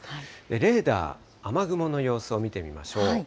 レーダー、雨雲の様子を見てみましょう。